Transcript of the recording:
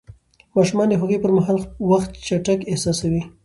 ماشومان د خوښۍ پر مهال وخت چټک احساسوي.